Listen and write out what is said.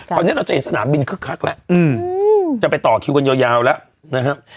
ตอนนี้เราจะเห็นสนามบินคึกคักแล้วจะไปต่อคิวกันยาวแล้วนะครับ